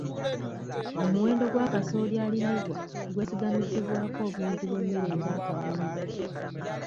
Omuwendo gwa kasooli alimibwa gwesigamizibwako obungi bw'emmere nga akawunga.